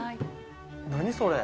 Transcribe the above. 何それ？